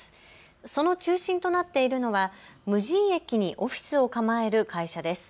その中心となっているのは無人駅にオフィスを構える会社です。